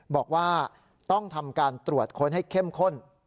บอกว่าต้องทำการตรวจค้นให้เข้มข้น